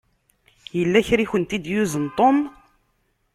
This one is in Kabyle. Yella kra i akent-id-yuzen Tom.